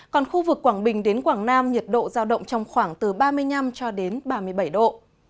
còn khu vực quảng bình đến quảng nam nhiệt độ giao động trong khoảng từ ba mươi năm cho đến ba mươi bảy độ